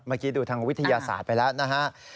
เมื่อกี้ดูทางวิทยาศาสตร์ไปแล้วนะฮะ